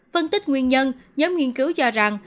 phân tích nguyên nhân nhóm nghiên cứu cho rằng